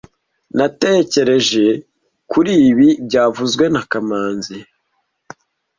Natekereje kuri ibi byavuzwe na kamanzi